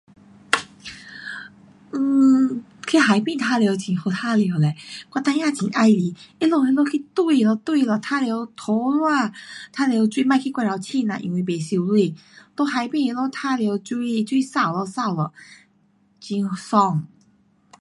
um 去海边玩耍很好玩耍嘞，我孩儿很喜欢，他们去那里堆了堆了玩耍土沙，玩耍水别去过头深啦，因为不游泳，在海边那里玩耍水，水扫了扫了很爽。